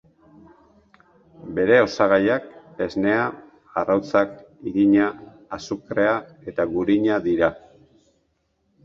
Bere osagaiak: esnea, arrautzak, irina, azukrea eta gurina dira.